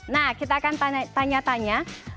nah kita akan tanya tanya